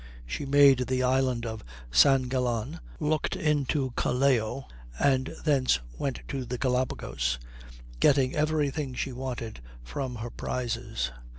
She made the island of San Gallan, looked into Callao, and thence went to the Gallipagos, getting every thing she wanted from her prizes.